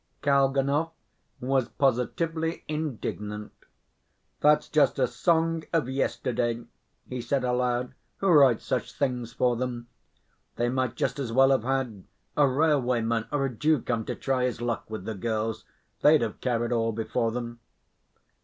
Kalvanov was positively indignant. "That's just a song of yesterday," he said aloud. "Who writes such things for them? They might just as well have had a railwayman or a Jew come to try his luck with the girls; they'd have carried all before them."